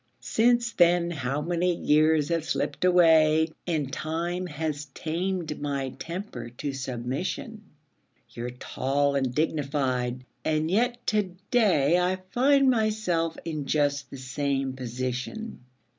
Since then how many years have slipped away ? And time has tamed my temper to submission. You're tall and dignified, and yet to day I find myself in just the same position.